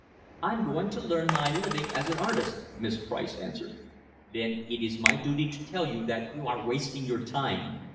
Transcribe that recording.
"I'm going to earn my living as an artist," Miss Price answered. "Then it is my duty to tell you that you are wasting your time.